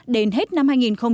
đến hết năm hai nghìn một mươi tám